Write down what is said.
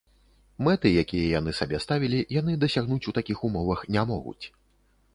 Мэты, якія яны сабе ставілі, яны дасягнуць у такіх умовах не могуць.